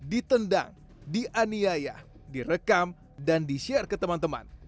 ditendang dianiaya direkam dan di share ke teman teman